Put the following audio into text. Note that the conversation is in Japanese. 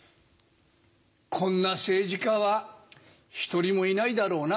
こんな政治家は１人もいないだろうな。